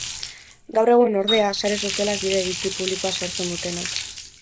Gaur egun, ordea, sare sozialak dira iritzi publikoa sortzen dutenak.